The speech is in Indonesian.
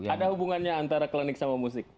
ada hubungannya antara klinik sama musik